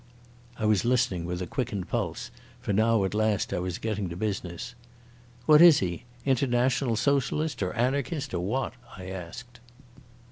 I was listening with a quickened pulse, for now at last I was getting to business. "What is he—international socialist, or anarchist, or what?" I asked.